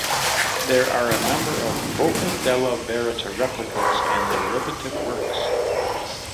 There are a number of "Bocca della Verita" replicas and derivative works.